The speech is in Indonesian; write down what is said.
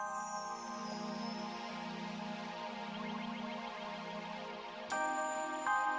nanti aku hubungin kamu pas aku mau kasih uangnya